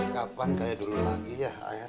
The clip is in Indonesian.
kapan kayak dulu lagi ya ayah